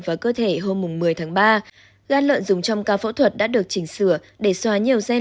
và cơ thể hôm một mươi tháng ba gian lợn dùng trong ca phẫu thuật đã được chỉnh sửa để xóa nhiều gen